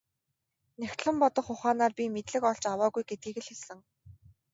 Нягтлан бодох ухаанаар бид мэдлэг олж аваагүй гэдгийг л хэлсэн.